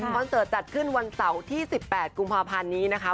เสิร์ตจัดขึ้นวันเสาร์ที่๑๘กุมภาพันธ์นี้นะคะ